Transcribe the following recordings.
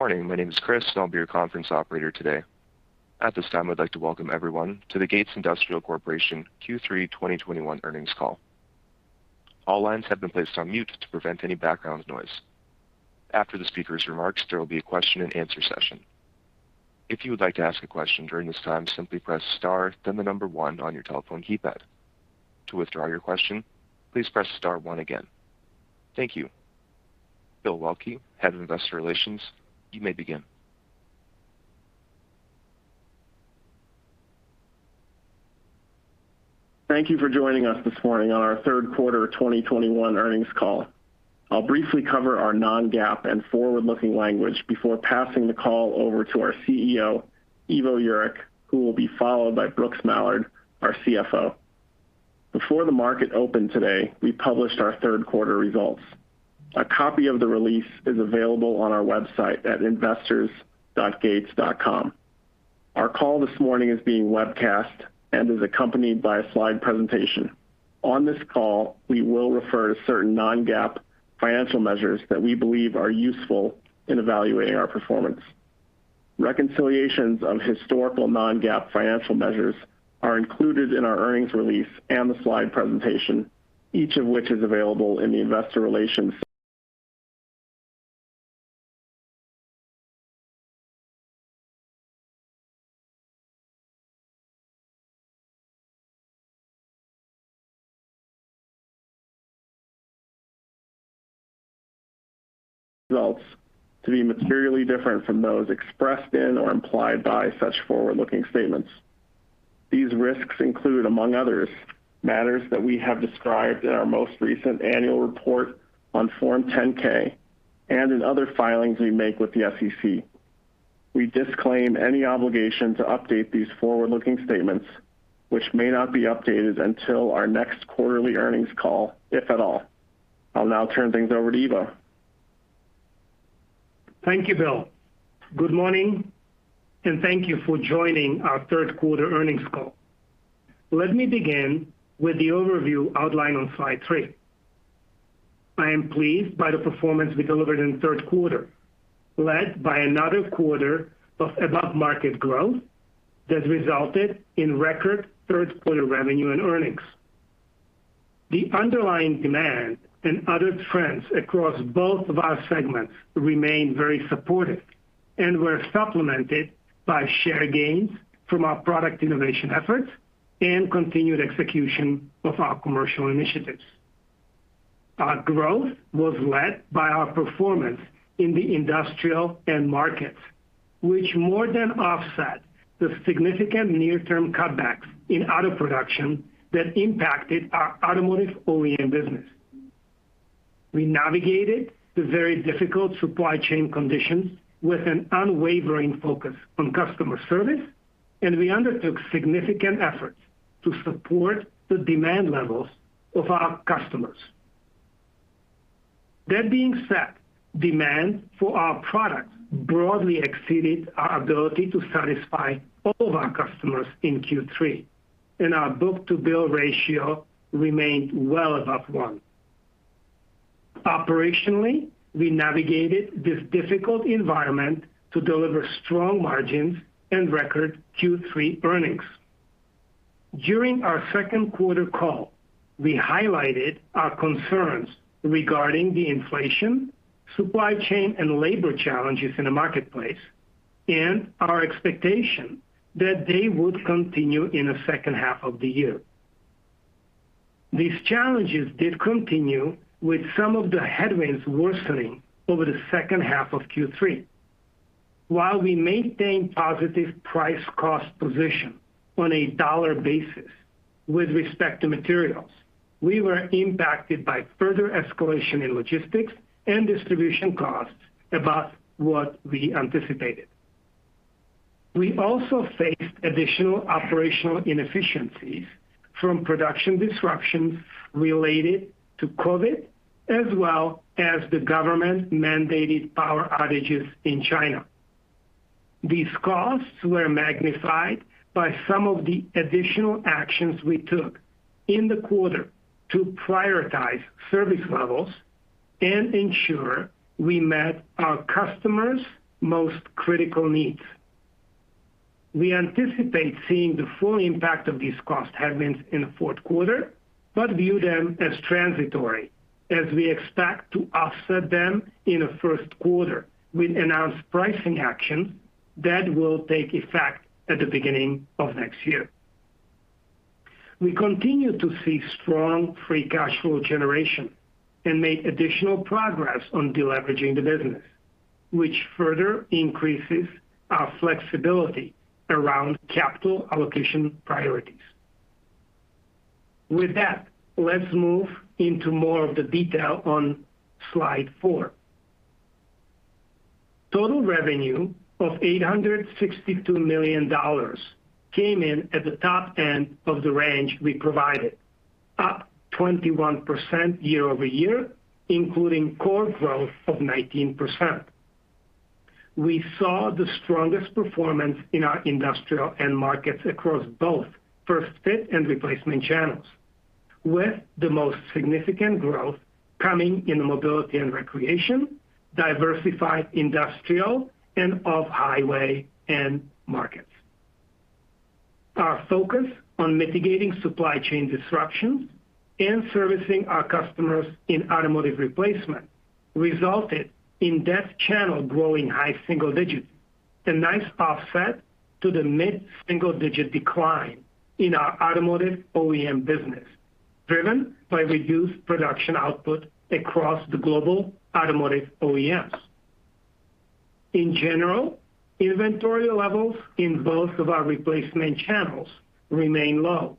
Morning. My name is Chris, and I'll be your conference operator today. At this time, I'd like to welcome everyone to the Gates Industrial Corporation Q3 2021 Earnings Call. All lines have been placed on mute to prevent any background noise. After the speaker's remarks, there will be a question-and-answer session. If you would like to ask a question during this time, simply press star then the number one on your telephone keypad. To withdraw your question, please press star one again. Thank you. Bill Waelke, Head of Investor Relations, you may begin. Thank you for joining us this morning on our third quarter 2021 earnings call. I'll briefly cover our non-GAAP and forward-looking language before passing the call over to our CEO, Ivo Jurek, who will be followed by Brooks Mallard, our CFO. Before the market opened today, we published our third quarter results. A copy of the release is available on our website at investors.gates.com. Our call this morning is being webcast and is accompanied by a slide presentation. On this call, we will refer to certain non-GAAP financial measures that we believe are useful in evaluating our performance. Reconciliations of historical non-GAAP financial measures are included in our earnings release and the slide presentation, each of which is available in the investor relations. Results to be materially different from those expressed in or implied by such forward-looking statements. These risks include, among others, matters that we have described in our most recent annual report on Form 10-K, and in other filings we make with the SEC. We disclaim any obligation to update these forward-looking statements, which may not be updated until our next quarterly earnings call, if at all. I'll now turn things over to Ivo. Thank you, Bill. Good morning, and thank you for joining our third quarter earnings call. Let me begin with the overview outlined on slide three. I am pleased by the performance we delivered in the third quarter, led by another quarter of above-market growth that resulted in record third-quarter revenue and earnings. The underlying demand and other trends across both of our segments remain very supportive and were supplemented by share gains from our product innovation efforts and continued execution of our commercial initiatives. Our growth was led by our performance in the industrial end markets, which more than offset the significant near-term cutbacks in auto production that impacted our automotive OEM business. We navigated the very difficult supply chain conditions with an unwavering focus on customer service, and we undertook significant efforts to support the demand levels of our customers. That being said, demand for our products broadly exceeded our ability to satisfy all of our customers in Q3, and our book-to-bill ratio remained well above one. Operationally, we navigated this difficult environment to deliver strong margins and record Q3 earnings. During our second quarter call, we highlighted our concerns regarding the inflation, supply chain, and labor challenges in the marketplace and our expectation that they would continue in the second half of the year. These challenges did continue, with some of the headwinds worsening over the second half of Q3. While we maintained positive price-cost position on a dollar basis with respect to materials, we were impacted by further escalation in logistics and distribution costs above what we anticipated. We also faced additional operational inefficiencies from production disruptions related to COVID, as well as the government-mandated power outages in China. These costs were magnified by some of the additional actions we took in the quarter to prioritize service levels and ensure we met our customers' most critical needs. We anticipate seeing the full impact of these cost headwinds in the fourth quarter, but view them as transitory as we expect to offset them in the first quarter with announced pricing actions that will take effect at the beginning of next year. We continue to see strong free cash flow generation and made additional progress on deleveraging the business, which further increases our flexibility around capital allocation priorities. With that, let's move into more of the detail on slide four. Total revenue of $862 million came in at the top end of the range we provided, up 21% year-over-year, including core growth of 19%. We saw the strongest performance in our industrial end markets across both first fit and replacement channels. With the most significant growth coming in mobility and recreation, diversified industrial, and off-highway end markets. Our focus on mitigating supply chain disruptions and servicing our customers in automotive replacement resulted in that channel growing high single digits. A nice offset to the mid-single-digit decline in our automotive OEM business, driven by reduced production output across the global automotive OEMs. In general, inventory levels in both of our replacement channels remain low,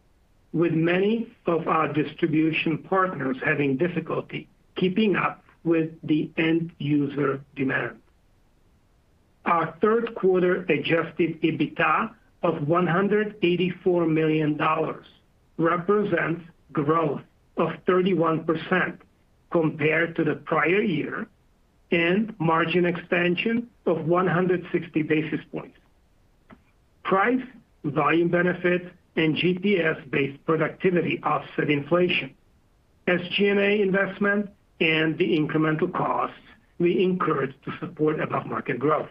with many of our distribution partners having difficulty keeping up with the end user demand. Our third quarter adjusted EBITDA of $184 million represents growth of 31% compared to the prior year and margin expansion of 160 basis points. Price, volume benefit, and GPS-based productivity offset inflation, SG&A investment, and the incremental costs we incurred to support above-market growth.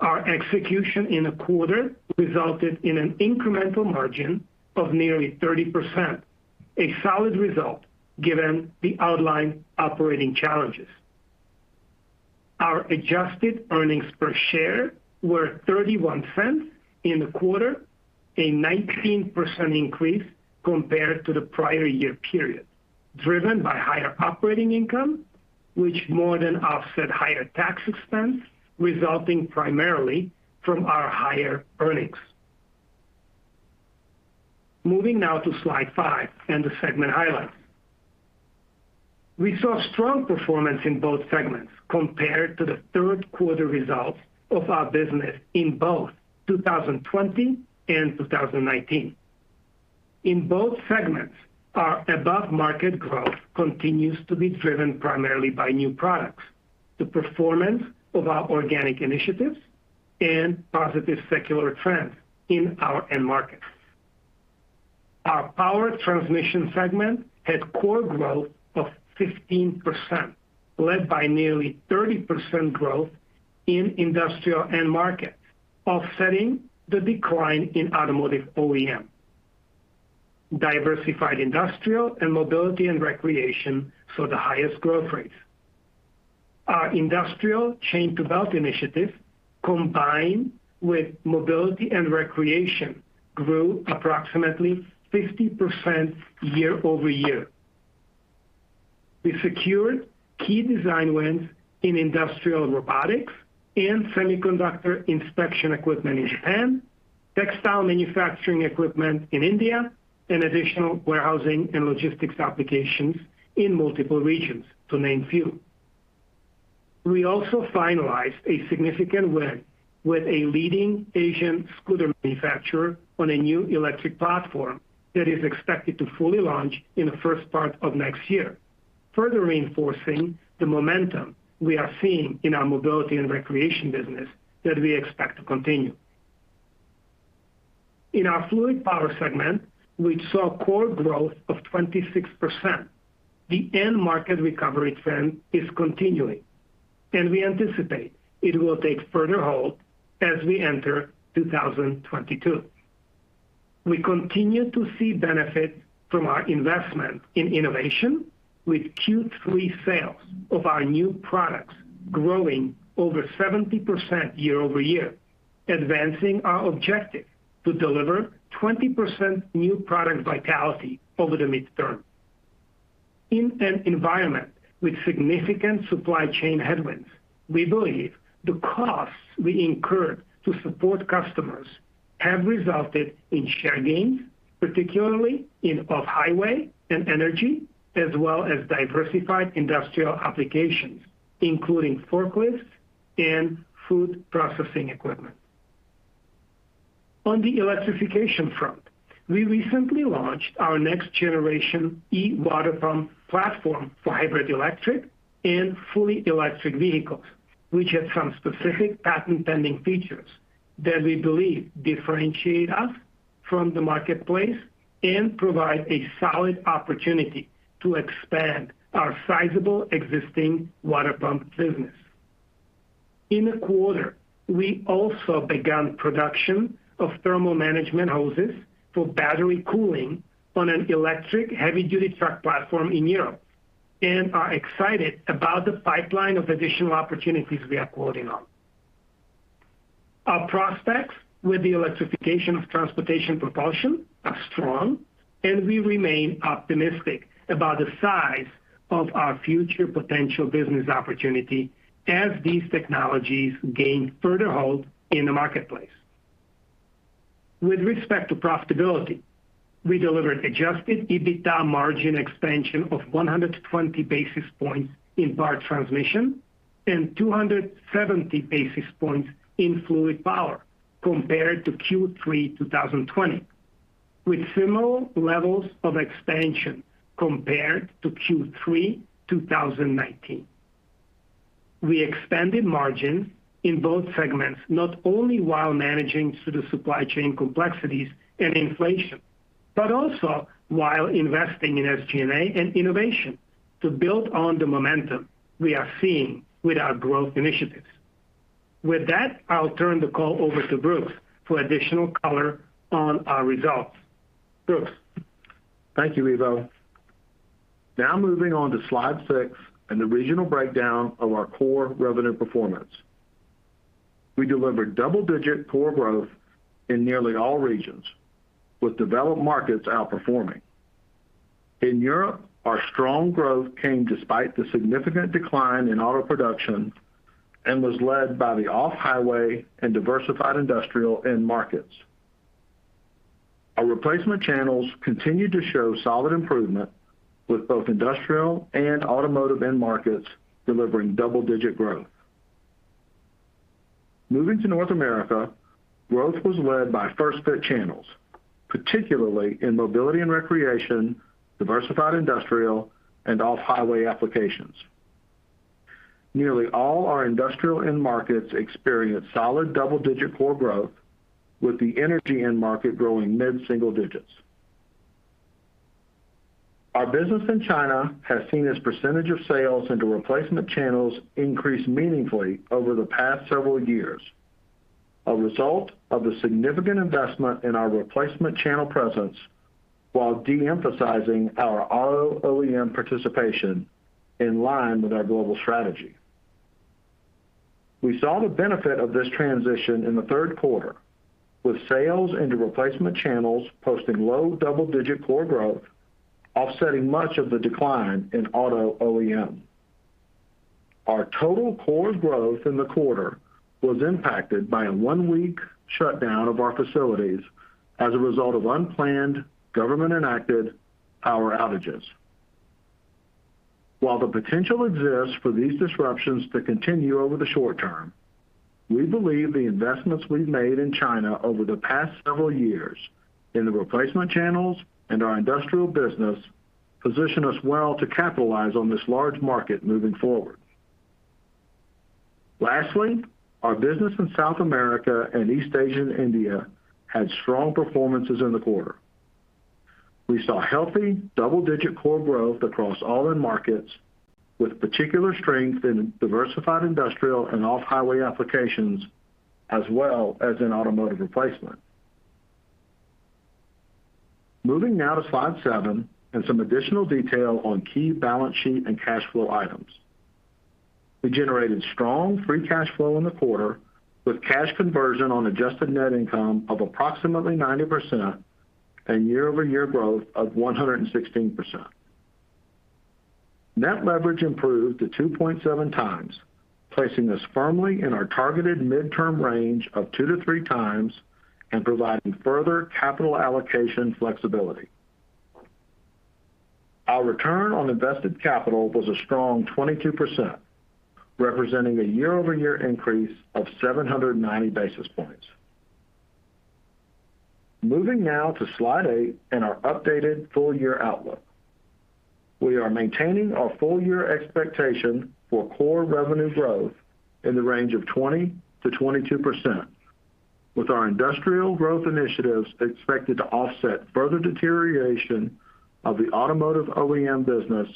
Our execution in the quarter resulted in an incremental margin of nearly 30%, a solid result given the outlined operating challenges. Our adjusted earnings per share were $0.31 in the quarter, a 19% increase compared to the prior year period, driven by higher operating income, which more than offset higher tax expense, resulting primarily from our higher earnings. Moving now to slide five and the segment highlights. We saw strong performance in both segments compared to the third quarter results of our business in both 2020 and 2019. In both segments, our above-market growth continues to be driven primarily by new products, the performance of our organic initiatives, and positive secular trends in our end markets. Our Power Transmission segment had core growth of 15%, led by nearly 30% growth in industrial end market, offsetting the decline in automotive OEM. Diversified industrial and mobility and recreation saw the highest growth rates. Our industrial chain-to-belt initiative, combined with mobility and recreation, grew approximately 50% year-over-year. We secured key design wins in industrial robotics and semiconductor inspection equipment in Japan, textile manufacturing equipment in India, and additional warehousing and logistics applications in multiple regions, to name a few. We also finalized a significant win with a leading Asian scooter manufacturer on a new electric platform that is expected to fully launch in the first part of next year, further reinforcing the momentum we are seeing in our mobility and recreation business that we expect to continue. In our Fluid Power segment, we saw core growth of 26%. The end market recovery trend is continuing, and we anticipate it will take further hold as we enter 2022. We continue to see benefit from our investment in innovation with Q3 sales of our new products growing over 70% year-over-year, advancing our objective to deliver 20% new product vitality over the midterm. In an environment with significant supply chain headwinds, we believe the costs we incurred to support customers have resulted in share gains, particularly in off-highway and energy, as well as diversified industrial applications, including forklifts and food processing equipment. On the electrification front, we recently launched our next generation e-water pump platform for hybrid electric and fully electric vehicles, which have some specific patent-pending features that we believe differentiate us from the marketplace and provide a solid opportunity to expand our sizable existing water pump business. In the quarter, we also began production of thermal management hoses for battery cooling on an electric heavy duty truck platform in Europe and are excited about the pipeline of additional opportunities we are quoting on. Our prospects with the electrification of transportation propulsion are strong, and we remain optimistic about the size of our future potential business opportunity as these technologies gain further hold in the marketplace. With respect to profitability, we delivered adjusted EBITDA margin expansion of 120 basis points in power transmission and 270 basis points in fluid power compared to Q3 2020, with similar levels of expansion compared to Q3 2019. We expanded margins in both segments, not only while managing through the supply chain complexities and inflation, but also while investing in SG&A and innovation to build on the momentum we are seeing with our growth initiatives. With that, I'll turn the call over to Brooks for additional color on our results. Brooks. Thank you, Ivo. Now moving on to Slide six and the regional breakdown of our core revenue performance. We delivered double-digit core growth in nearly all regions, with developed markets outperforming. In Europe, our strong growth came despite the significant decline in auto production and was led by the off-highway and diversified industrial end markets. Our replacement channels continued to show solid improvement with both industrial and automotive end markets delivering double-digit growth. Moving to North America, growth was led by first fit channels, particularly in mobility and recreation, diversified industrial, and off-highway applications. Nearly all our industrial end markets experienced solid double-digit core growth with the energy end market growing mid-single digits. Our business in China has seen its percentage of sales into replacement channels increase meaningfully over the past several years, a result of the significant investment in our replacement channel presence while de-emphasizing our auto OEM participation in line with our global strategy. We saw the benefit of this transition in the third quarter, with sales into replacement channels posting low double-digit core growth, offsetting much of the decline in auto OEM. Our total core growth in the quarter was impacted by a one-week shutdown of our facilities as a result of unplanned government-enacted power outages. While the potential exists for these disruptions to continue over the short term, we believe the investments we've made in China over the past several years in the replacement channels and our industrial business position us well to capitalize on this large market moving forward. Lastly, our business in South America and East Asia and India had strong performances in the quarter. We saw healthy double-digit core growth across all end markets, with particular strength in diversified industrial and off-highway applications, as well as in automotive replacement. Moving now to slide seven and some additional detail on key balance sheet and cash flow items. We generated strong free cash flow in the quarter, with cash conversion on adjusted net income of approximately 90% and year-over-year growth of 116%. Net leverage improved to 2.7 times, placing us firmly in our targeted midterm range of 2-3 times and providing further capital allocation flexibility. Our return on invested capital was a strong 22%, representing a year-over-year increase of 790 basis points. Moving now to slide eight and our updated full-year outlook. We are maintaining our full-year expectation for core revenue growth in the range of 20%-22%, with our industrial growth initiatives expected to offset further deterioration of the automotive OEM business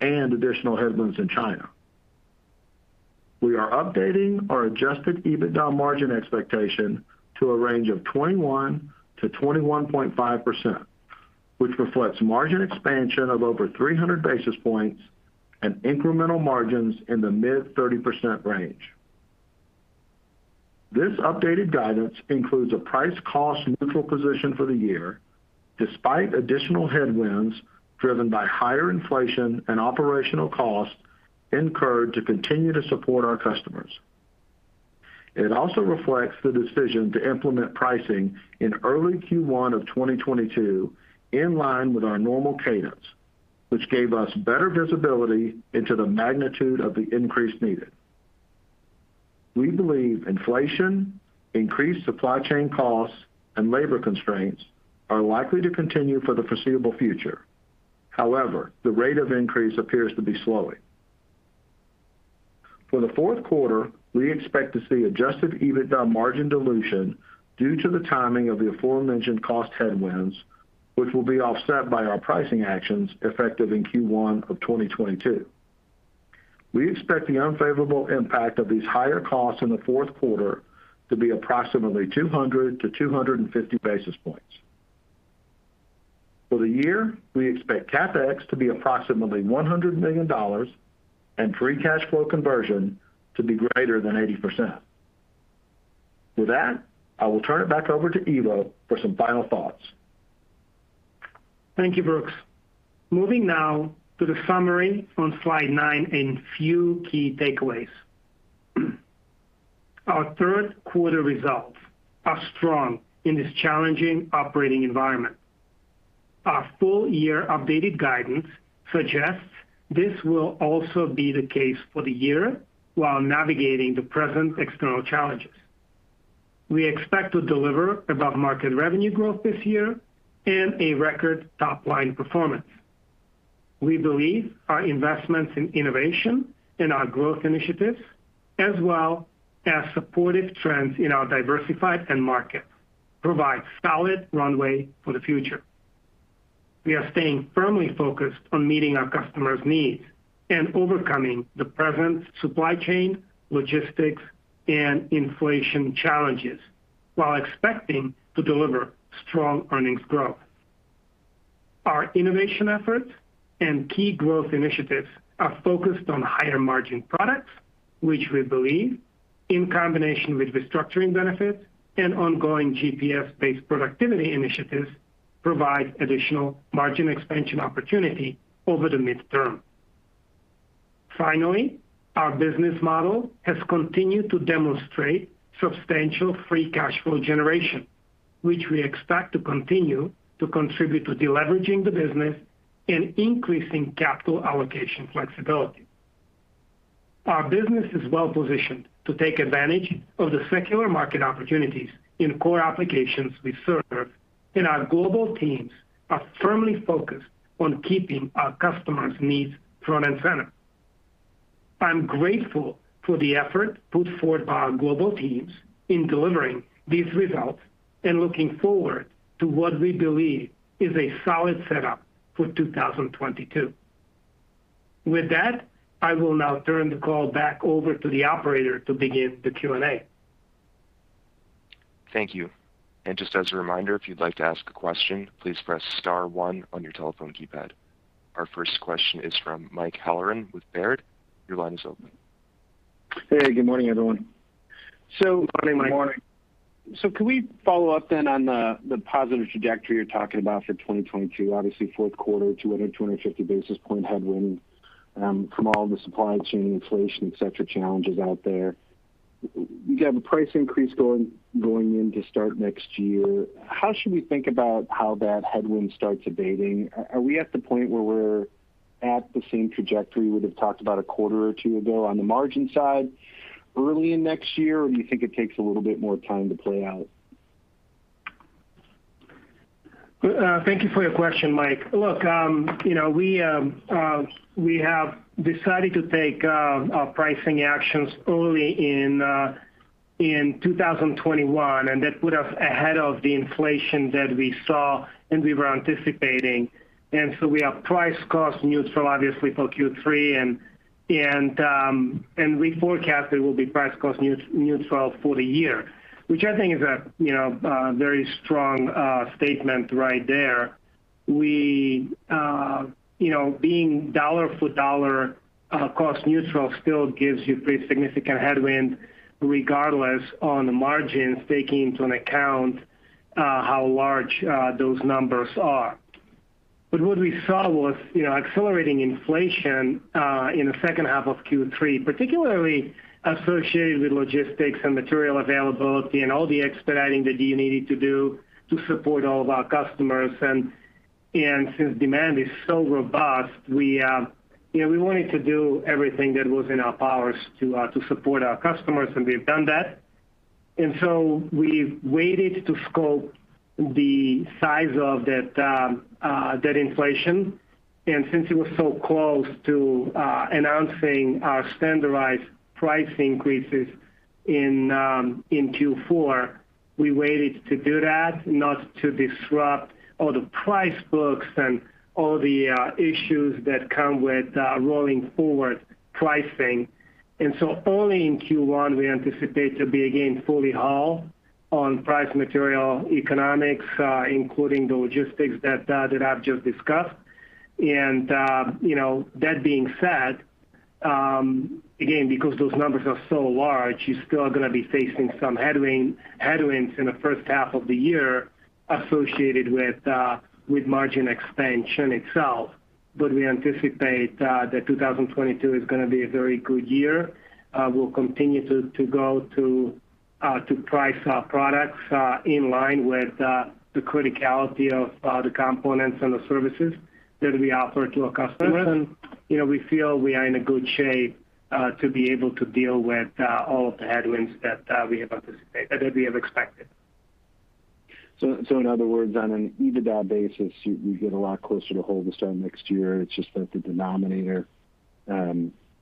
and additional headwinds in China. We are updating our adjusted EBITDA margin expectation to a range of 21%-21.5%, which reflects margin expansion of over 300 basis points and incremental margins in the mid-30% range. This updated guidance includes a price cost neutral position for the year despite additional headwinds driven by higher inflation and operational costs incurred to continue to support our customers. It also reflects the decision to implement pricing in early Q1 of 2022 in line with our normal cadence, which gave us better visibility into the magnitude of the increase needed. We believe inflation, increased supply chain costs, and labor constraints are likely to continue for the foreseeable future. However, the rate of increase appears to be slowing. For the fourth quarter, we expect to see adjusted EBITDA margin dilution due to the timing of the aforementioned cost headwinds, which will be offset by our pricing actions effective in Q1 of 2022. We expect the unfavorable impact of these higher costs in the fourth quarter to be approximately 200-250 basis points. For the year, we expect CapEx to be approximately $100 million and free cash flow conversion to be greater than 80%. With that, I will turn it back over to Ivo for some final thoughts. Thank you, Brooks. Moving now to the summary on slide 9 and a few key takeaways. Our third quarter results are strong in this challenging operating environment. Our full year updated guidance suggests this will also be the case for the year while navigating the present external challenges. We expect to deliver above-market revenue growth this year and a record top-line performance. We believe our investments in innovation and our growth initiatives, as well as supportive trends in our diversified end markets, provide solid runway for the future. We are staying firmly focused on meeting our customers' needs and overcoming the present supply chain, logistics, and inflation challenges while expecting to deliver strong earnings growth. Our innovation efforts and key growth initiatives are focused on higher-margin products, which we believe, in combination with restructuring benefits and ongoing GPS-based productivity initiatives, provide additional margin expansion opportunity over the midterm. Finally, our business model has continued to demonstrate substantial free cash flow generation, which we expect to continue to contribute to deleveraging the business and increasing capital allocation flexibility. Our business is well positioned to take advantage of the secular market opportunities in core applications we serve, and our global teams are firmly focused on keeping our customers' needs front and center. I'm grateful for the effort put forth by our global teams in delivering these results and looking forward to what we believe is a solid setup for 2022. With that, I will now turn the call back over to the operator to begin the Q&A. Thank you. Just as a reminder, if you'd like to ask a question, please press star one on your telephone keypad. Our first question is from Mike Halloran with Baird. Your line is open. Hey, good morning, everyone. Good morning, Mike. Can we follow up then on the positive trajectory you're talking about for 2022? Obviously, fourth quarter, 250 basis point headwind from all the supply chain inflation, et cetera, challenges out there. You have a price increase going in to start next year. How should we think about how that headwind starts abating? Are we at the point where we're at the same trajectory we'd have talked about a quarter or two ago on the margin side early in next year? Or do you think it takes a little bit more time to play out? Thank you for your question, Mike. Look, you know, we have decided to take our pricing actions early in 2021, and that put us ahead of the inflation that we saw and we were anticipating. We are price cost neutral, obviously, for Q3. We forecast it will be price cost neutral for the year, which I think is a you know very strong statement right there. We you know being dollar for dollar cost neutral still gives you pretty significant headwind regardless on the margins, taking into account how large those numbers are. What we saw was, you know, accelerating inflation in the second half of Q3, particularly associated with logistics and material availability and all the expediting that you needed to do to support all of our customers. Since demand is so robust, we, you know, we wanted to do everything that was in our powers to support our customers, and we've done that. We've waited to scope the size of that that inflation. Since it was so close to announcing our standardized price increases in in Q4, we waited to do that, not to disrupt all the price books and all the issues that come with rolling forward pricing. Only in Q1, we anticipate to be again fully whole on price material economics, including the logistics that I've just discussed. You know, that being said, again, because those numbers are so large, you're still gonna be facing some headwinds in the first half of the year associated with margin expansion itself. We anticipate that 2022 is gonna be a very good year. We'll continue to price our products in line with the criticality of the components and the services that we offer to our customers. You know, we feel we are in a good shape to be able to deal with all of the headwinds that we have expected. In other words, on an EBITDA basis, you get a lot closer to whole to start next year. It's just that the denominator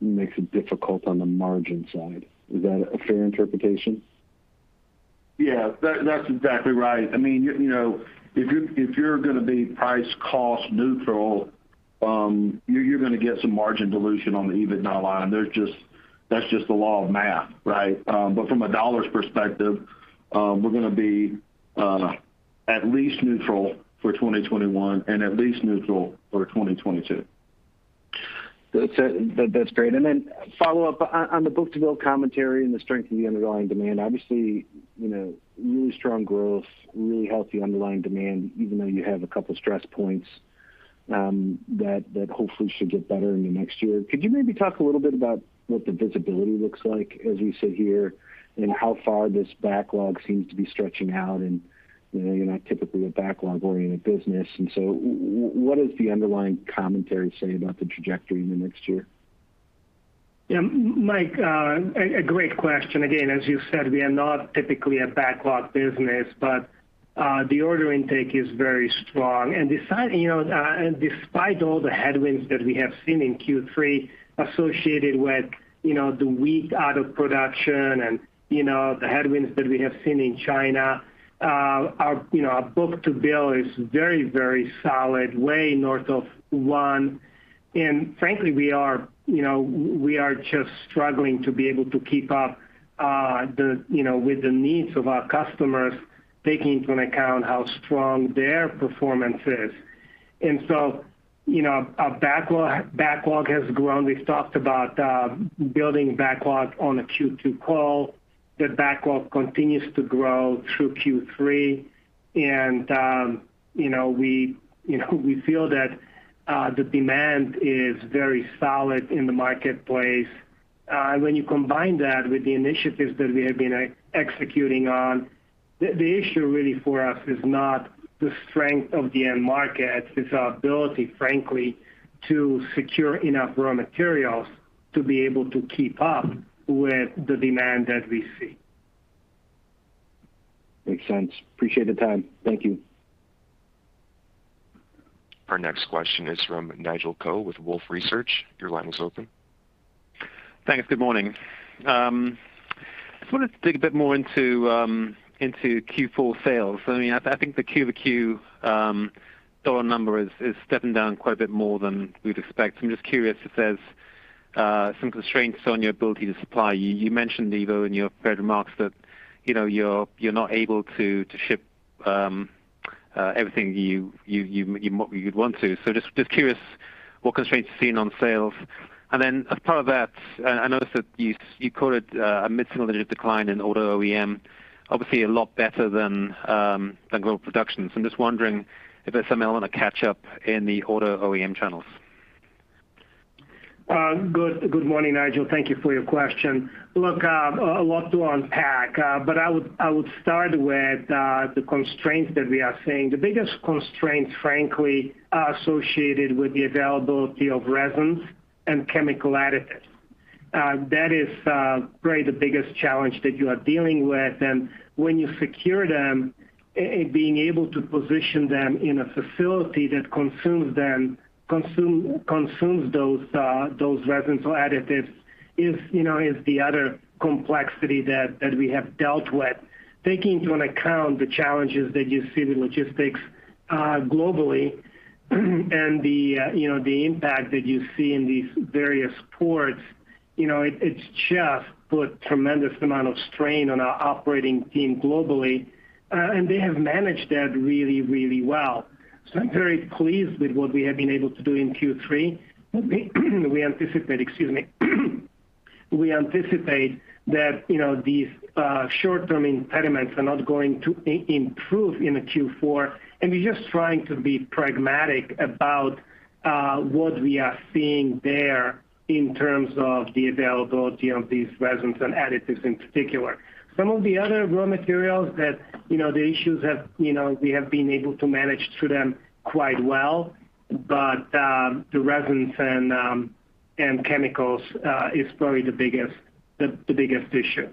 makes it difficult on the margin side. Is that a fair interpretation? Yeah. That's exactly right. I mean, you know, if you're gonna be price cost neutral, you're gonna get some margin dilution on the EBITDA line. That's just the law of math, right? But from a dollars perspective, we're gonna be at least neutral for 2021 and at least neutral for 2022. That's great. Then follow-up on the book-to-bill commentary and the strength of the underlying demand, obviously, you know, really strong growth, really healthy underlying demand, even though you have a couple of stress points that hopefully should get better into next year. Could you maybe talk a little bit about what the visibility looks like as we sit here and how far this backlog seems to be stretching out? You know, you're not typically a backlog-oriented business, and so what does the underlying commentary say about the trajectory in the next year? Yeah, Mike, a great question. Again, as you said, we are not typically a backlog business, but the order intake is very strong. Despite all the headwinds that we have seen in Q3 associated with the weak auto production and the headwinds that we have seen in China, our book-to-bill is very solid, way north of one. Frankly, we are just struggling to keep up with the needs of our customers, taking into account how strong their performance is. Our backlog has grown. We've talked about building backlog on the Q2 call. The backlog continues to grow through Q3. You know, we feel that the demand is very solid in the marketplace. When you combine that with the initiatives that we have been executing on, the issue really for us is not the strength of the end market, it's our ability, frankly, to secure enough raw materials to be able to keep up with the demand that we see. Makes sense. Appreciate the time. Thank you. Our next question is from Nigel Coe with Wolfe Research. Your line is open. Thanks. Good morning. Just wanted to dig a bit more into Q4 sales. I mean, I think the Q-over-Q dollar number is stepping down quite a bit more than we'd expect. I'm just curious if there's some constraints on your ability to supply. You mentioned, Ivo, in your prepared remarks that, you know, you're not able to ship everything you'd want to. Just curious what constraints you're seeing on sales. As part of that, I noticed that you quoted a mid-single digit decline in auto OEM, obviously a lot better than global production. Just wondering if there's some element of catch up in the auto OEM channels. Good morning, Nigel. Thank you for your question. Look, a lot to unpack, but I would start with the constraints that we are seeing. The biggest constraints, frankly, are associated with the availability of resins and chemical additives. That is probably the biggest challenge that you are dealing with. When you secure them and being able to position them in a facility that consumes those resins or additives is, you know, the other complexity that we have dealt with. Taking into account the challenges that you see with logistics globally, and the impact that you see in these various ports, you know, it's just put tremendous amount of strain on our operating team globally. They have managed that really well. I'm very pleased with what we have been able to do in Q3. We anticipate that, you know, these short-term impediments are not going to improve into Q4, and we're just trying to be pragmatic about what we are seeing there in terms of the availability of these resins and additives in particular. Some of the other raw materials that, you know, we have been able to manage through them quite well, but the resins and chemicals is probably the biggest issue.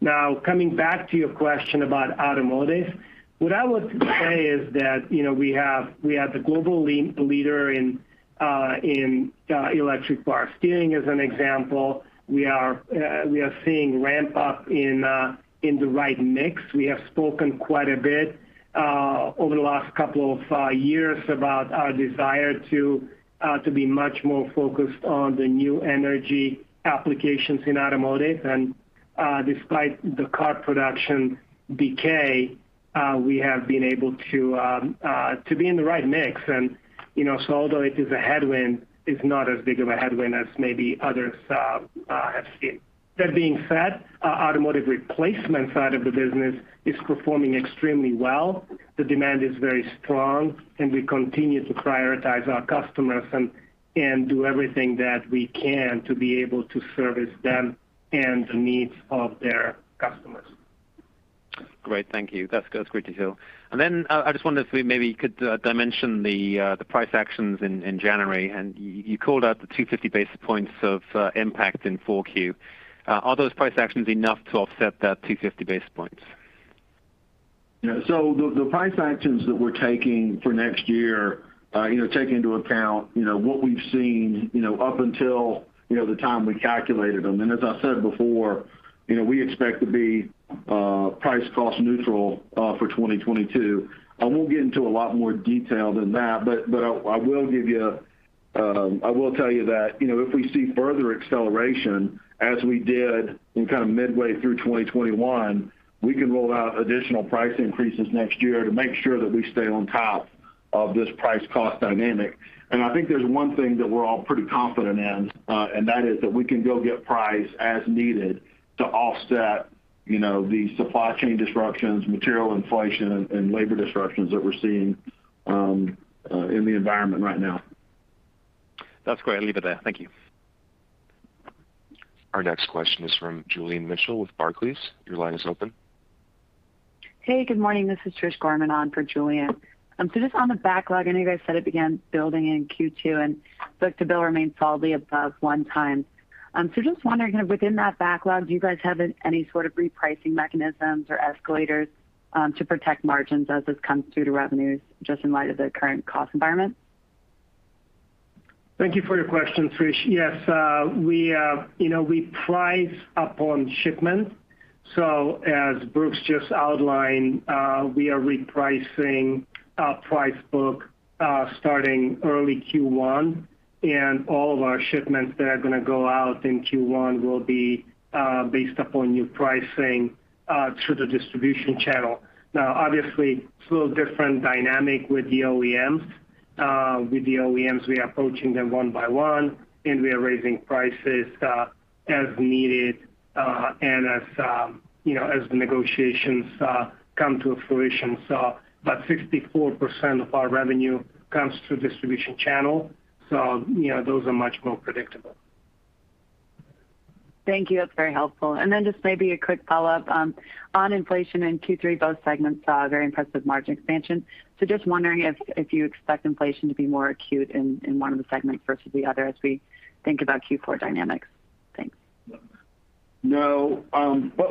Now, coming back to your question about automotive, what I would say is that, you know, we have the global leader in electric power steering, as an example. We are seeing ramp up in the right mix. We have spoken quite a bit over the last couple of years about our desire to be much more focused on the new energy applications in automotive. Despite the car production decline, we have been able to be in the right mix. You know, although it is a headwind, it's not as big of a headwind as maybe others have seen. That being said, our automotive replacement side of the business is performing extremely well. The demand is very strong, and we continue to prioritize our customers and do everything that we can to be able to service them and the needs of their customers. Great. Thank you. That's great to hear. I just wondered if we maybe could dimension the price actions in January. You called out the 250 basis points of impact in Q4. Are those price actions enough to offset that 250 basis points? Yeah. The price actions that we're taking for next year, you know, take into account, you know, what we've seen, you know, up until, you know, the time we calculated them. As I said before, you know, we expect to be price cost neutral for 2022. I won't get into a lot more detail than that, but I will tell you that, you know, if we see further acceleration as we did in kind of midway through 2021, we can roll out additional price increases next year to make sure that we stay on top of this price cost dynamic. I think there's one thing that we're all pretty confident in, and that is that we can go get price as needed to offset, you know, the supply chain disruptions, material inflation and labor disruptions that we're seeing in the environment right now. That's great. I'll leave it there. Thank you. Our next question is from Julian Mitchell with Barclays. Your line is open. Hey, good morning. This is Trish Gorman on for Julian. Just on the backlog, I know you guys said it began building in Q2, and book-to-bill remains solidly above one. Just wondering kind of within that backlog, do you guys have any sort of repricing mechanisms or escalators to protect margins as this comes through to revenues just in light of the current cost environment? Thank you for your question, Trish. Yes, you know, we price upon shipment. As Brooks just outlined, we are repricing our price book, starting early Q1. All of our shipments that are gonna go out in Q1 will be based upon new pricing through the distribution channel. Now, obviously it's a little different dynamic with the OEMs. With the OEMs, we are approaching them one by one, and we are raising prices as needed and as you know, as the negotiations come to fruition, but 64% of our revenue comes through distribution channel, so you know, those are much more predictable. Thank you. That's very helpful. Then just maybe a quick follow-up on inflation in Q3, both segments saw very impressive margin expansion. Just wondering if you expect inflation to be more acute in one of the segments versus the other as we think about Q4 dynamics. Thanks. No.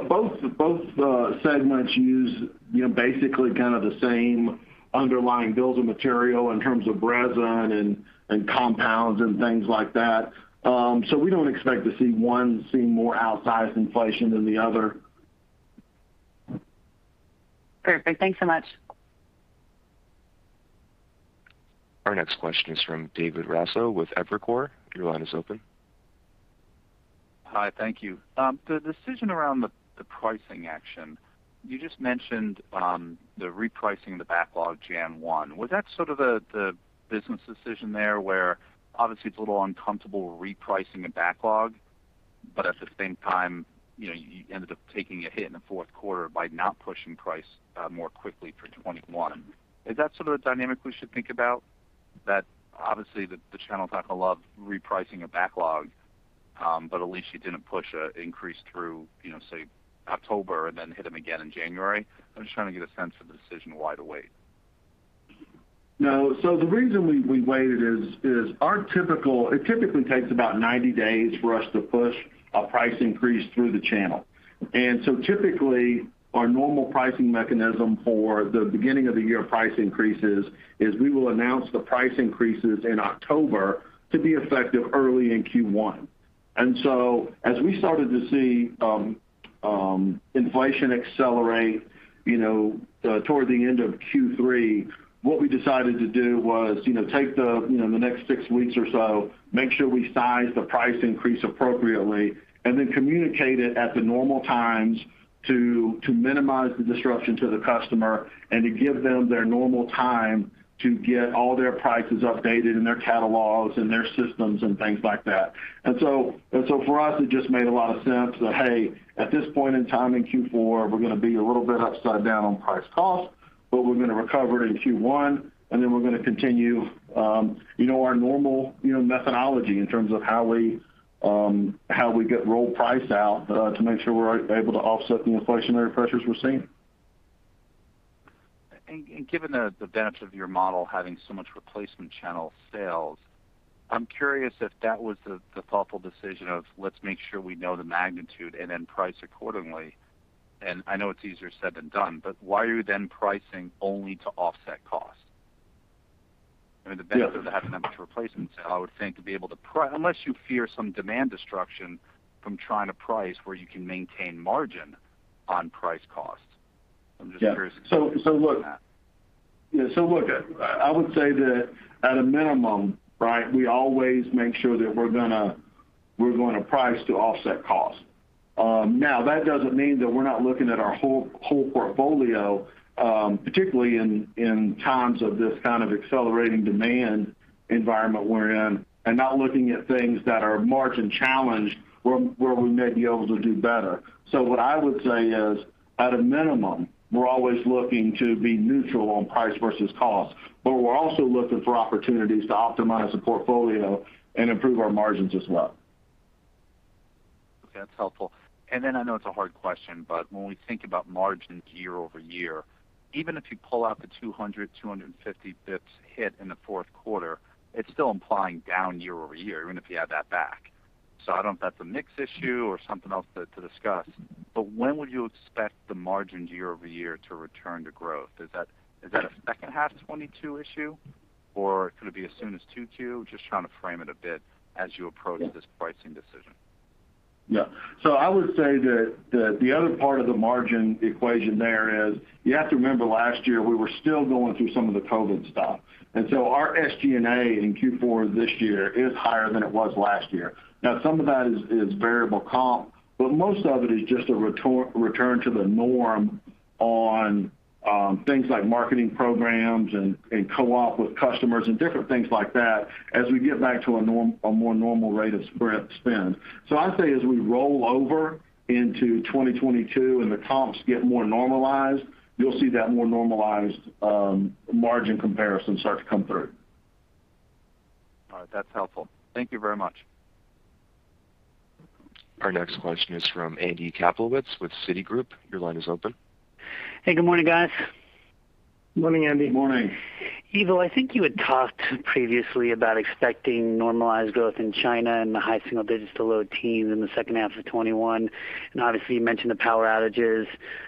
Both segments use, you know, basically kind of the same underlying bill of materials in terms of resin and compounds and things like that. So we don't expect to see one more outsized inflation than the other. Perfect. Thanks so much. Our next question is from David Raso with Evercore. Your line is open. Hi. Thank you. The decision around the pricing action you just mentioned, the repricing the backlog January 1, 2021 Was that sort of the business decision there where obviously it's a little uncomfortable repricing a backlog, but at the same time, you know, you ended up taking a hit in the fourth quarter by not pushing price more quickly for 2021. Is that sort of the dynamic we should think about that obviously the channel is not gonna love repricing a backlog, but at least you didn't push an increase through, you know, say, October and then hit them again in January? I'm just trying to get a sense of the decision why to wait. No. The reason we waited is it typically takes about 90 days for us to push a price increase through the channel. Typically our normal pricing mechanism for the beginning of the year price increases is we will announce the price increases in October to be effective early in Q1. As we started to see inflation accelerate, you know, toward the end of Q3, what we decided to do was, you know, take the next six weeks or so, make sure we size the price increase appropriately, and then communicate it at the normal times to minimize the disruption to the customer and to give them their normal time to get all their prices updated in their catalogs and their systems and things like that. For us, it just made a lot of sense that, hey, at this point in time in Q4, we're gonna be a little bit upside down on price cost, but we're gonna recover it in Q1, and then we're gonna continue, you know, our normal, you know, methodology in terms of how we get roll price out to make sure we're able to offset the inflationary pressures we're seeing. Given the benefits of your model having so much replacement channel sales, I'm curious if that was the thoughtful decision of let's make sure we know the magnitude and then price accordingly. I know it's easier said than done, but why are you then pricing only to offset cost? I mean, the benefit of having that much replacement sale, I would think to be able to unless you fear some demand destruction from trying to price where you can maintain margin on price cost. I'm just curious. Yeah. Thinking behind that. Look. I would say that at a minimum, right, we always make sure that we're gonna price to offset cost. Now that doesn't mean that we're not looking at our whole portfolio, particularly in times of this kind of accelerating demand environment we're in, and not looking at things that are margin-challenged where we may be able to do better. What I would say is, at a minimum, we're always looking to be neutral on price versus cost, but we're also looking for opportunities to optimize the portfolio and improve our margins as well. Okay, that's helpful. Then I know it's a hard question, but when we think about margins year-over-year, even if you pull out the 200-250 BPS hit in the fourth quarter, it's still implying down year-over-year, even if you add that back. I don't know if that's a mix issue or something else to discuss. When would you expect the margins year-over-year to return to growth? Is that a second half 2022 issue, or could it be as soon as 2022? Just trying to frame it a bit as you approach this pricing decision. Yeah. I would say that the other part of the margin equation there is you have to remember last year we were still going through some of the COVID stuff. Our SG&A in Q4 this year is higher than it was last year. Now some of that is variable comp, but most of it is just a return to the norm on things like marketing programs and co-op with customers and different things like that as we get back to a more normal rate of spend. I'd say as we roll over into 2022 and the comps get more normalized, you'll see that more normalized margin comparison start to come through. All right. That's helpful. Thank you very much. Our next question is from Andy Kaplowitz with Citigroup. Your line is open. Hey, good morning, guys. Good morning, Andy. Good morning. Ivo, I think you had talked previously about expecting normalized growth in China in the high single digits% to low teens% in the second half of 2021. Obviously, you mentioned the power outages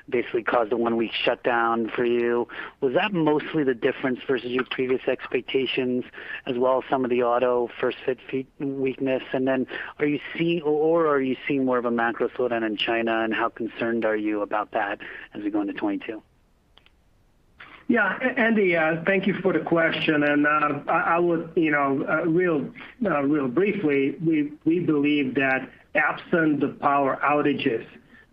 basically caused a one week shutdown for you. Was that mostly the difference versus your previous expectations as well as some of the auto first-fit weakness? Are you seeing more of a macro slowdown in China, and how concerned are you about that as we go into 2022? Yeah. Andy, thank you for the question. I would, you know, real briefly, we believe that absent the power outages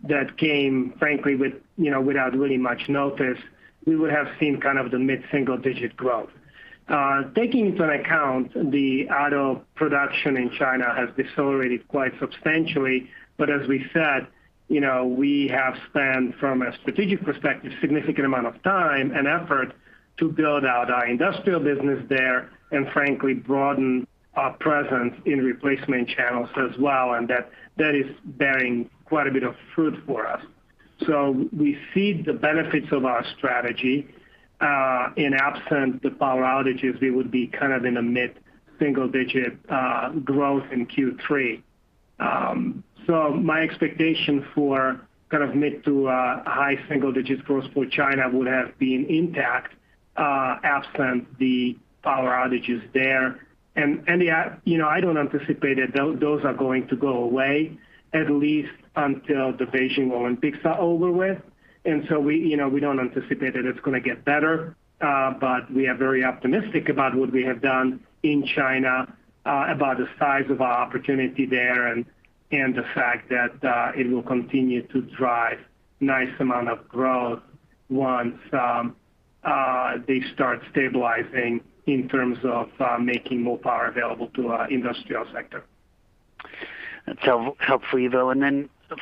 that came frankly with, you know, without really much notice, we would have seen kind of the mid-single digit growth, taking into account the auto production in China has decelerated quite substantially. As we said, you know, we have spent, from a strategic perspective, significant amount of time and effort to build out our industrial business there and frankly broaden our presence in replacement channels as well, and that is bearing quite a bit of fruit for us. We see the benefits of our strategy. In the absence of the power outages, we would be kind of in a mid-single digit growth in Q3. My expectation for kind of mid- to high-single-digit growth for China would have been intact, absent the power outages there. Andy, you know, I don't anticipate that those are going to go away at least until the Beijing Olympics are over with. We, you know, we don't anticipate that it's gonna get better, but we are very optimistic about what we have done in China, about the size of our opportunity there and the fact that it will continue to drive nice amount of growth once they start stabilizing in terms of making more power available to our industrial sector. That's helpful, Ivo.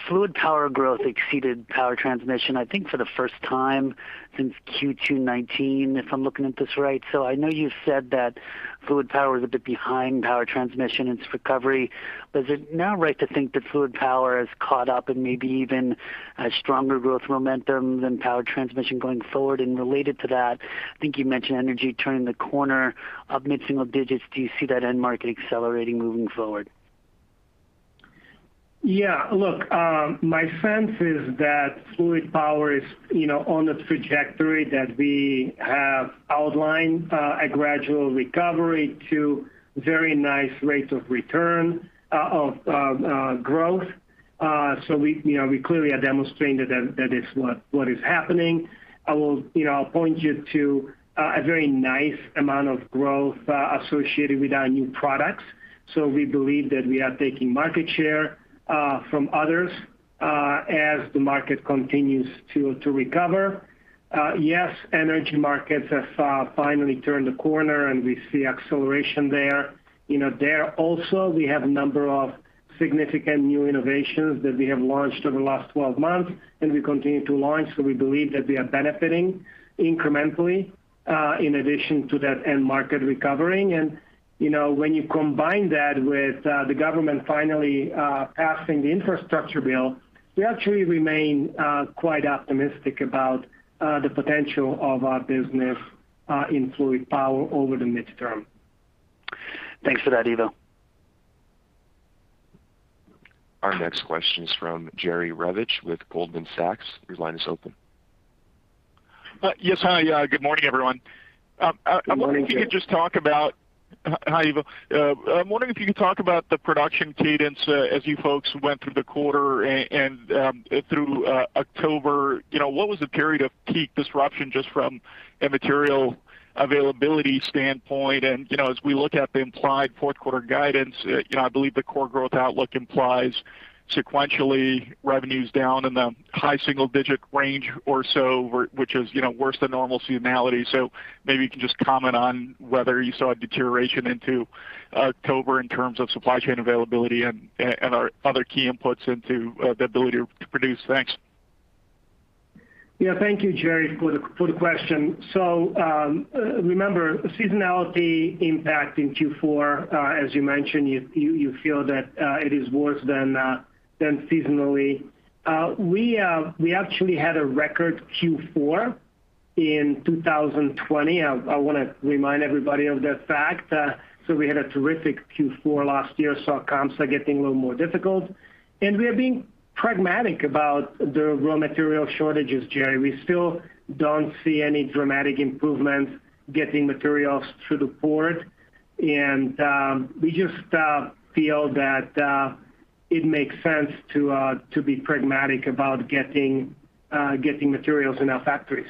Fluid Power growth exceeded Power Transmission, I think, for the first time since Q2 2019, if I'm looking at this right. I know you've said that Fluid Power is a bit behind Power Transmission in its recovery. Is it now right to think that Fluid Power has caught up and maybe even has stronger growth momentum than Power Transmission going forward? Related to that, I think you mentioned energy turning the corner up mid-single digits. Do you see that end market accelerating moving forward? Yeah. Look, my sense is that fluid power is, you know, on the trajectory that we have outlined, a gradual recovery to very nice rates of growth. We, you know, we clearly are demonstrating that is what is happening. I will, you know, point you to a very nice amount of growth associated with our new products. We believe that we are taking market share from others as the market continues to recover. Yes, energy markets have finally turned the corner, and we see acceleration there. You know, there also we have a number of significant new innovations that we have launched over the last 12 months, and we continue to launch. We believe that we are benefiting incrementally in addition to that end market recovering. You know, when you combine that with the government finally passing the infrastructure bill, we actually remain quite optimistic about the potential of our business in Fluid Power over the midterm. Thanks for that, Ivo. Our next question is from Jerry Revich with Goldman Sachs. Your line is open. Yes, hi. Good morning, everyone. Good morning, Jerry. Hi, Ivo. I'm wondering if you could talk about the production cadence, as you folks went through the quarter and through October. You know, what was the period of peak disruption just from a material availability standpoint? You know, as we look at the implied fourth quarter guidance, I believe the core growth outlook implies sequentially revenues down in the high single digit range or so, which is worse than normal seasonality. Maybe you can just comment on whether you saw a deterioration into October in terms of supply chain availability and our other key inputs into the ability to produce. Thanks. Yeah. Thank you, Jerry, for the question. Remember seasonality impact in Q4, as you mentioned, you feel that it is worse than seasonally. We actually had a record Q4 in 2020. I wanna remind everybody of that fact, so we had a terrific Q4 last year, saw comps getting a little more difficult. We are being pragmatic about the raw material shortages, Jerry. We still don't see any dramatic improvements getting materials through the port. We just feel that it makes sense to be pragmatic about getting materials in our factories.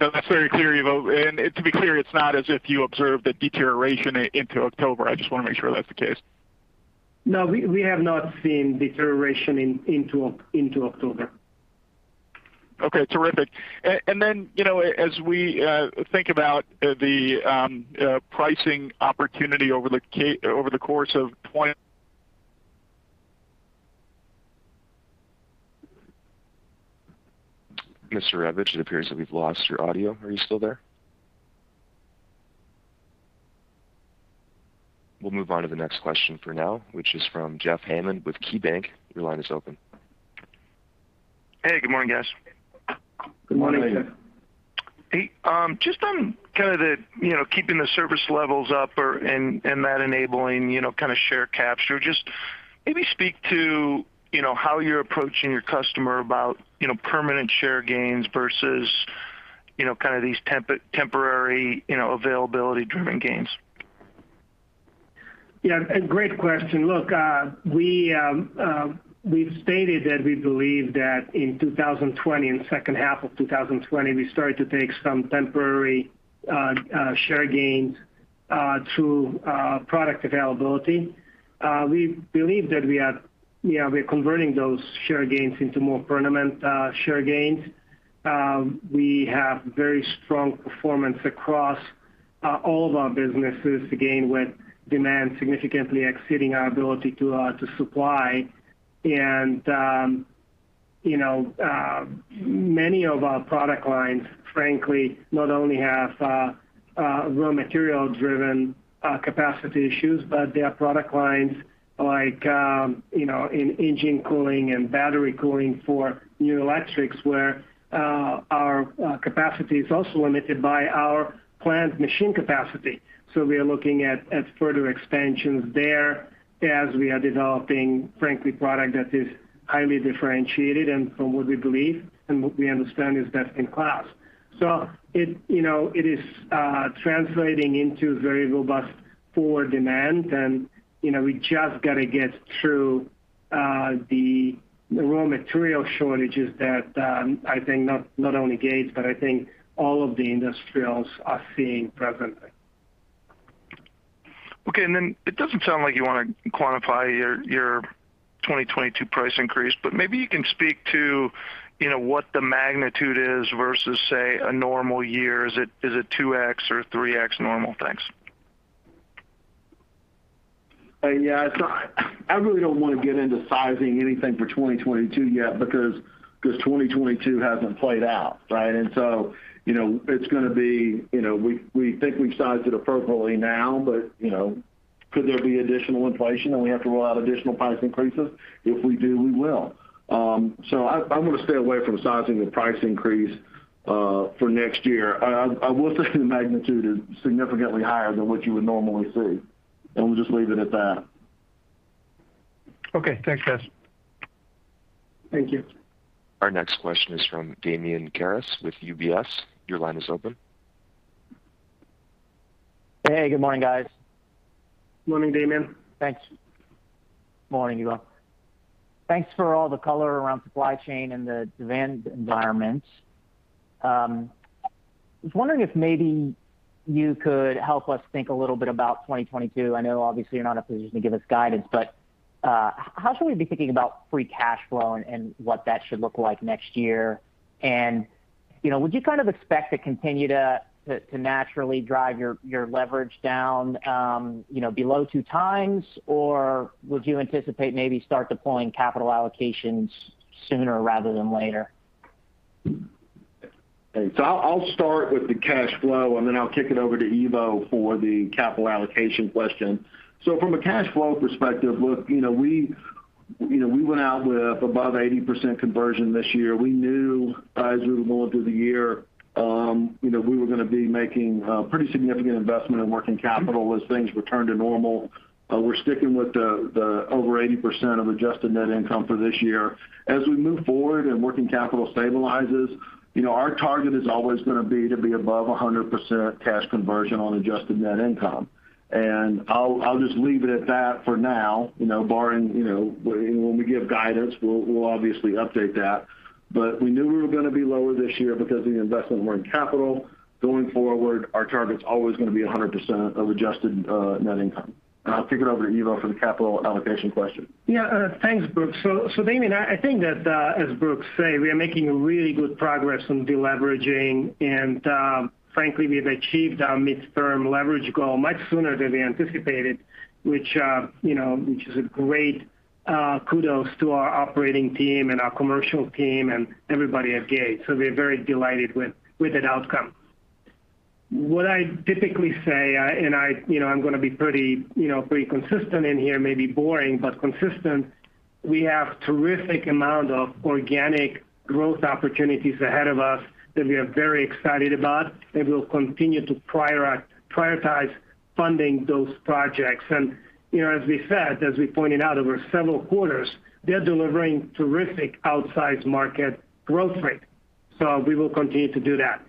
No, that's very clear, Ivo. To be clear, it's not as if you observed a deterioration into October. I just wanna make sure that's the case. No. We have not seen deterioration into October. Okay. Terrific. You know, as we think about the pricing opportunity over the course of 20 Mr. Revich, it appears that we've lost your audio. Are you still there? We'll move on to the next question for now, which is from Jeffrey Hammond with KeyBanc. Your line is open. Hey, good morning, guys. Good morning. Hey, just on kinda the, you know, keeping the service levels up and that enabling, you know, kinda share capture, just maybe speak to, you know, how you're approaching your customer about, you know, permanent share gains versus, you know, kinda these temporary, you know, availability-driven gains. Yeah, a great question. Look, we've stated that we believe that in 2020, in the second half of 2020, we started to take some temporary share gains through product availability. We believe that we are, you know, we're converting those share gains into more permanent share gains. We have very strong performance across all of our businesses, again, with demand significantly exceeding our ability to supply. You know, many of our product lines, frankly, not only have raw material-driven capacity issues, but they are product lines like, you know, in engine cooling and battery cooling for new electrics, where our capacity is also limited by our plant machine capacity. We are looking at further expansions there as we are developing, frankly, product that is highly differentiated, and from what we believe and what we understand, is best in class. It you know is translating into very robust forward demand and, you know, we just gotta get through the raw material shortages that I think not only Gates, but I think all of the industrials are seeing presently. Okay. It doesn't sound like you wanna quantify your 2022 price increase, but maybe you can speak to, you know, what the magnitude is versus, say, a normal year. Is it 2x or 3x normal? Thanks. Yeah. I really don't wanna get into sizing anything for 2022 yet because 'cause 2022 hasn't played out, right? You know, it's gonna be. You know, we think we've sized it appropriately now, but you know, could there be additional inflation and we have to roll out additional price increases? If we do, we will. I wanna stay away from sizing the price increase for next year. I will say the magnitude is significantly higher than what you would normally see, and we'll just leave it at that. Okay. Thanks, guys. Thank you. Our next question is from Damian Karas with UBS. Your line is open. Hey, good morning, guys. Morning, Damian. Thanks. Morning, Ivo. Thanks for all the color around supply chain and the demand environment. I was wondering if maybe you could help us think a little bit about 2022. I know obviously you're not in a position to give us guidance, but how should we be thinking about free cash flow and what that should look like next year? You know, would you kind of expect to continue to naturally drive your leverage down, you know, below 2x, or would you anticipate maybe start deploying capital allocations sooner rather than later? I'll start with the cash flow, and then I'll kick it over to Ivo for the capital allocation question. From a cash flow perspective, we went out with above 80% conversion this year. We knew as we moved through the year, we were gonna be making a pretty significant investment in working capital as things return to normal. We're sticking with the over 80% of adjusted net income for this year. As we move forward and working capital stabilizes, our target is always gonna be to be above 100% cash conversion on adjusted net income. I'll just leave it at that for now, you know, barring, you know. When we give guidance, we'll obviously update that. We knew we were gonna be lower this year because of the investment in working capital. Going forward, our target's always gonna be 100% of adjusted net income. I'll kick it over to Ivo for the capital allocation question. Yeah. Thanks, Brooks. Damian, I think that, as Brooks says, we are making really good progress on deleveraging and, frankly, we've achieved our midterm leverage goal much sooner than we anticipated, which, you know, is a great kudos to our operating team and our commercial team and everybody at Gates. We're very delighted with that outcome. What I typically say, and I, you know, I'm gonna be pretty, you know, pretty consistent in here, maybe boring, but consistent, we have terrific amount of organic growth opportunities ahead of us that we are very excited about, and we'll continue to prioritize funding those projects. You know, as we said, as we pointed out over several quarters, they're delivering terrific outsized market growth rate. We will continue to do that.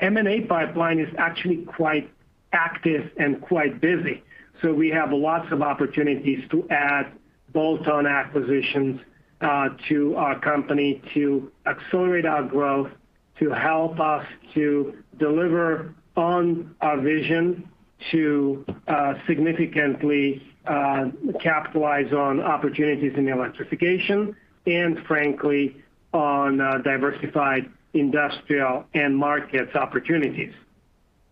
M&A pipeline is actually quite active and quite busy, so we have lots of opportunities to add bolt-on acquisitions to our company to accelerate our growth, to help us to deliver on our vision, to significantly capitalize on opportunities in electrification and frankly on diversified industrial and market opportunities.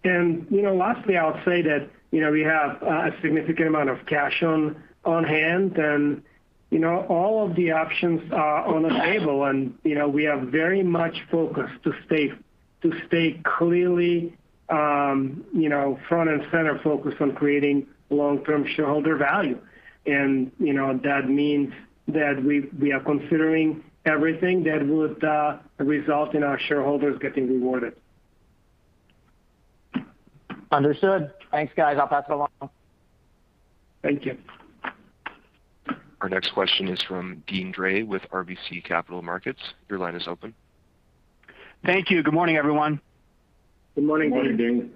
You know, lastly, I'll say that you know, we have a significant amount of cash on hand and you know, all of the options are on the table. You know, we are very much focused to stay clearly you know, front and center focused on creating long-term shareholder value. You know, that means that we are considering everything that would result in our shareholders getting rewarded. Understood. Thanks, guys. I'll pass it along. Thank you. Our next question is from Deane Dray with RBC Capital Markets. Your line is open. Thank you. Good morning, everyone. Good morning, Deane.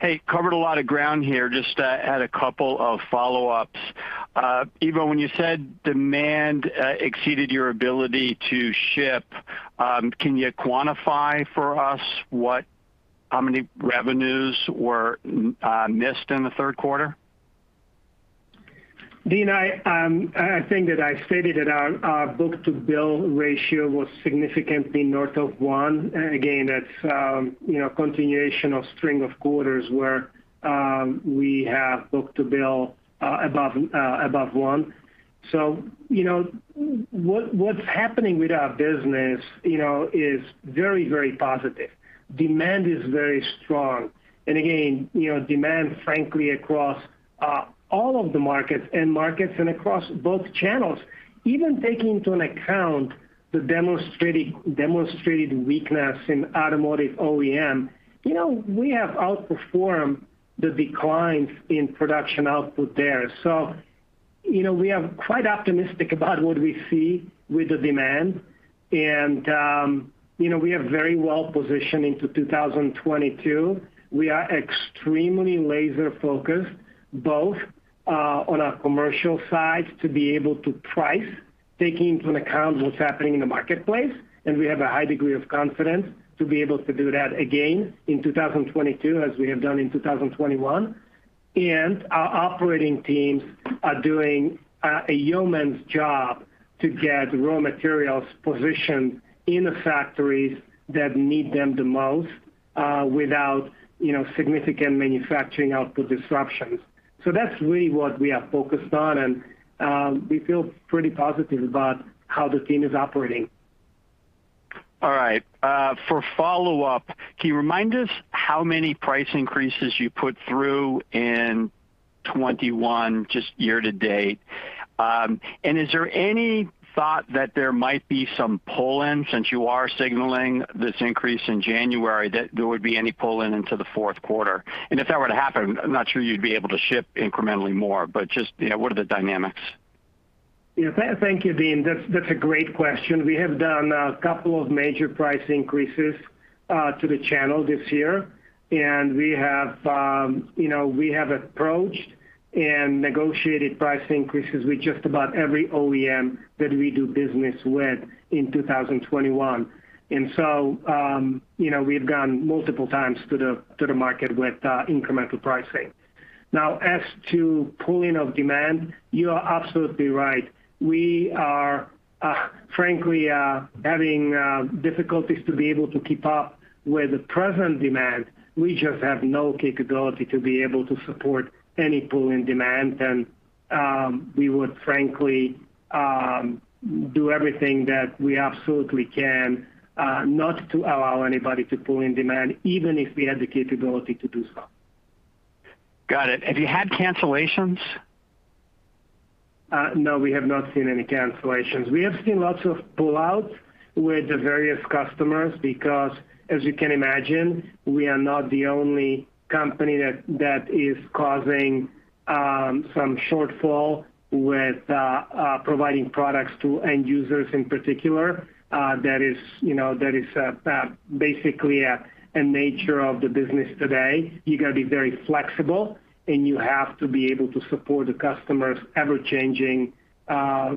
Hey, covered a lot of ground here. Just had a couple of follow-ups. Ivo, when you said demand exceeded your ability to ship, can you quantify for us how many revenues were missed in the third quarter? Deane, I think that I stated that our book-to-bill ratio was significantly north of one. Again, that's you know, continuation of string of quarters where we have book-to-bill above one. You know, what's happening with our business, you know, is very, very positive. Demand is very strong. You know, demand frankly, across all of the markets and across both channels, even taking into account the demonstrated weakness in automotive OEM, you know, we have outperformed the declines in production output there. You know, we are quite optimistic about what we see with the demand. You know, we are very well positioned into 2022. We are extremely laser-focused, both, on our commercial side to be able to price, taking into account what's happening in the marketplace, and we have a high degree of confidence to be able to do that again in 2022, as we have done in 2021. Our operating teams are doing a yeoman's job to get raw materials positioned in the factories that need them the most, without, you know, significant manufacturing output disruptions. That's really what we are focused on. We feel pretty positive about how the team is operating. All right. For follow-up, can you remind us how many price increases you put through in 2021 just year to date? Is there any thought that there might be some pull-in since you are signaling this increase in January that there would be any pull-in into the fourth quarter? If that were to happen, I'm not sure you'd be able to ship incrementally more. Just, you know, what are the dynamics? Yeah. Thank you, Deane. That's a great question. We have done a couple of major price increases to the channel this year, and we have, you know, approached and negotiated price increases with just about every OEM that we do business with in 2021. You know, we've gone multiple times to the market with incremental pricing. Now, as to pull-in of demand, you are absolutely right. We are frankly having difficulties to be able to keep up with the present demand. We just have no capability to be able to support any pull-in demand. We would frankly do everything that we absolutely can not to allow anybody to pull-in demand, even if we had the capability to do so. Got it. Have you had cancellations? No, we have not seen any cancellations. We have seen lots of pullouts with the various customers because as you can imagine, we are not the only company that is causing some shortfall with providing products to end users in particular. That is, you know, basically a nature of the business today. You got to be very flexible, and you have to be able to support the customers' ever-changing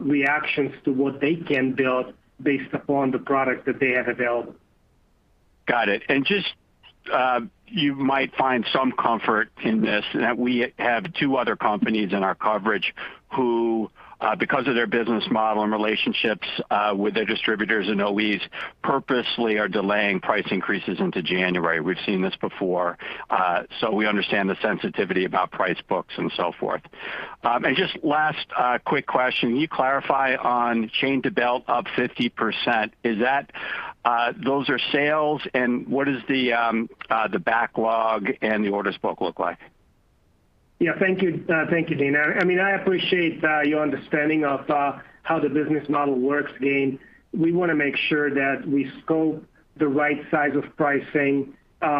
reactions to what they can build based upon the product that they have available. Got it. Just you might find some comfort in this, that we have two other companies in our coverage who, because of their business model and relationships with their distributors and OEMs purposely are delaying price increases into January. We've seen this before. We understand the sensitivity about price books and so forth. Just last quick question. Can you clarify on chain-to-belt up 50%? Is that those are sales and what is the backlog and the order book look like? Yeah. Thank you. Thank you, Deane. I mean, I appreciate your understanding of how the business model works. Again, we wanna make sure that we scope the right size of pricing.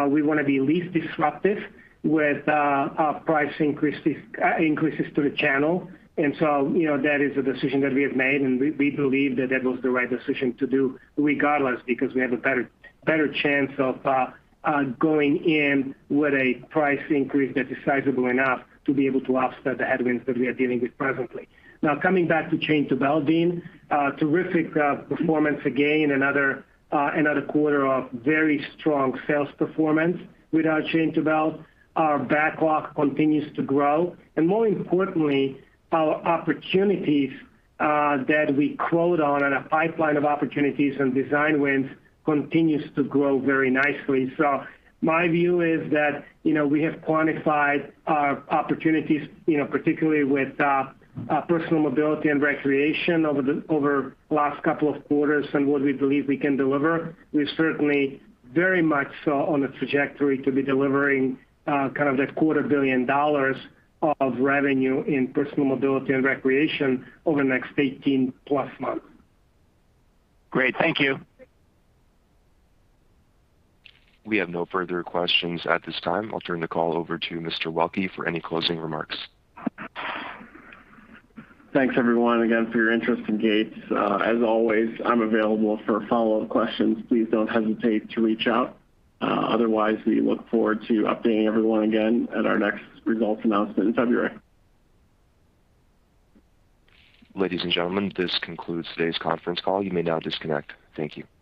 We wanna be least disruptive with price increases to the channel. You know, that is a decision that we have made, and we believe that that was the right decision to do regardless because we have a better chance of going in with a price increase that's sizable enough to be able to offset the headwinds that we are dealing with presently. Now coming back to chain-to-belt, Deane, terrific performance again. Another quarter of very strong sales performance with our chain-to-belt. Our backlog continues to grow. More importantly, our opportunities that we quote on and a pipeline of opportunities and design wins continues to grow very nicely. My view is that, you know, we have quantified our opportunities, you know, particularly with personal mobility and recreation over last couple of quarters and what we believe we can deliver. We're certainly very much on a trajectory to be delivering kind of that quarter billion dollars of revenue in personal mobility and recreation over the next 18 plus months. Great. Thank you. We have no further questions at this time. I'll turn the call over to Mr. Waelke for any closing remarks. Thanks, everyone, again for your interest in Gates. As always, I'm available for follow-up questions. Please don't hesitate to reach out. Otherwise, we look forward to updating everyone again at our next results announcement in February. Ladies and gentlemen, this concludes today's conference call. You may now disconnect. Thank you.